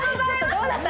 どうだった？